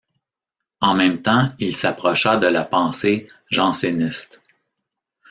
En même temps il s'approcha de la pensée janséniste.